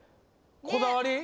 こだわり？